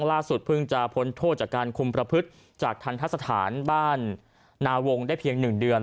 ล่าสุดเพิ่งจะพ้นโทษจากการคุมประพฤติจากทันทะสถานบ้านนาวงได้เพียง๑เดือน